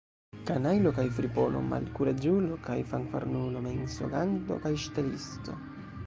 Kanajlo kaj fripono, malkuraĝulo kaj fanfaronulo, mensoganto kaj ŝtelisto!